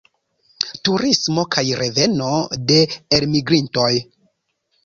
Turismo kaj reveno de elmigrintoj.